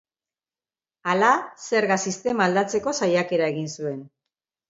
Hala, zerga sistema aldatzeko saiakera egin zuen.